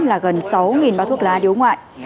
là gần sáu bá thuốc lá điếu ngoại